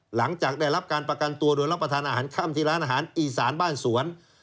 หลังจากได้รับการประกันตัวโดยรับประทานอาหารค่ำที่ร้านอาหารอีสานบ้านสวน